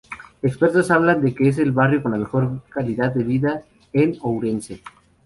Expertos hablan de que es el barrio con mejor calidad de vida en Ourense.